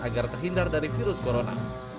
agar terhindar dari virus corona